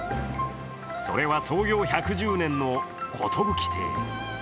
それは、創業１１０年の寿亭。